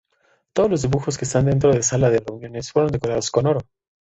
Todos los dibujos que están dentro de Sala de Reuniones fueron decorados con oro.